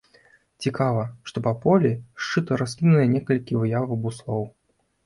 Цікава, што па полі шчыта раскіданыя некалькі выяваў буслоў.